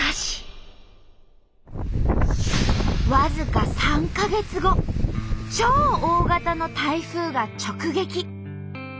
僅か３か月後超大型の台風が直撃。